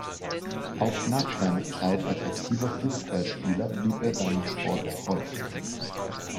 Auch nach seiner Zeit als aktiver Fußballspieler blieb er seinem Sport treu.